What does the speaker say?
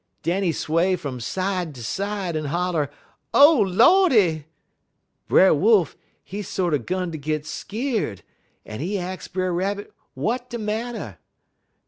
Den he sway fum side to side un holler 'O Lordy!' Brer Wolf, he sorter 'gun ter git skeer'd un he ax Brer Rabbit w'at de matter.